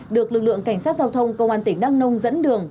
được lực lượng cảnh sát giao thông công an tỉnh đắk nông dẫn đường